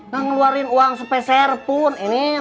ngeluarin uang sepeser pun